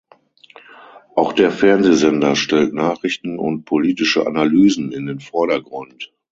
Auch der Fernsehsender stellt Nachrichten und politische Analysen in den Vordergrund.